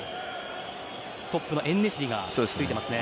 トップはエンネシリがついていますね。